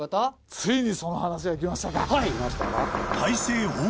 ついにその話がきましたか。